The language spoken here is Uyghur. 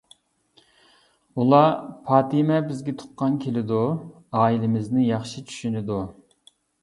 ئۇلار، پاتىمە بىزگە تۇغقان كېلىدۇ، ئائىلىمىزنى ياخشى چۈشىنىدۇ.